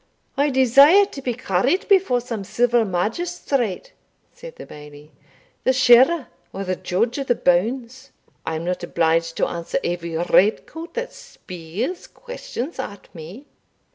"I desire to be carried before some civil magistrate," said the Bailie "the sherra or the judge of the bounds; I am not obliged to answer every red coat that speers questions at me."